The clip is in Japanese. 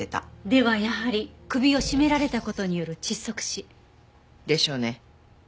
ではやはり首を絞められた事による窒息死。でしょうね。